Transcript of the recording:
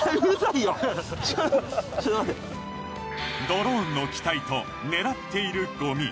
ドローンの機体と狙っているゴミ